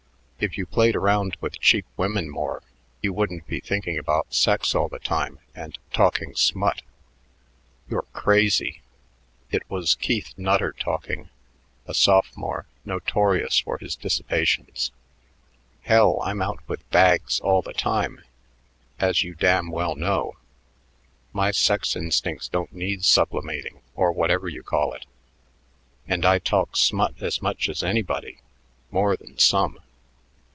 If you played around with cheap women more, you wouldn't be thinking about sex all the time and talking smut." "You're crazy!" It was Keith Nutter talking, a sophomore notorious for his dissipations. "Hell, I'm out with bags all the time, as you damn well know. My sex instincts don't need sublimating, or whatever you call it, and I talk smut as much as anybody more than some."